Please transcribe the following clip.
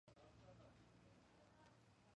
მანამდე იგი ატარებდა მონმორანსის ჰერცოგის წოდებას.